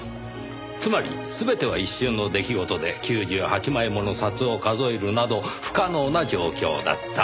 つまり全ては一瞬の出来事で９８枚もの札を数えるなど不可能な状況だった。